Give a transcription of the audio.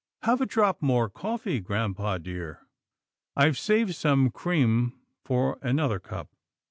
Have a drop more coffee, grampa dear. I've saved some cream for another cup."